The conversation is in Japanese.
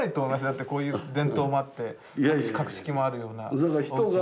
だってこういう伝統もあって格式もあるようなおうちが。